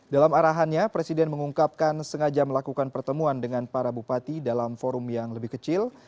dalam arahannya presiden mengungkapkan sengaja melakukan pertemuan dengan para bupati dalam forum yang lebih kecil